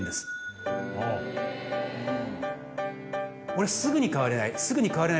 俺すぐに変われない。